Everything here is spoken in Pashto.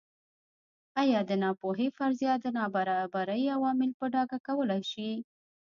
ایا د ناپوهۍ فرضیه د نابرابرۍ عوامل په ډاګه کولای شي.